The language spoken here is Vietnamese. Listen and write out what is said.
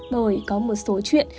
bởi có một số chuyện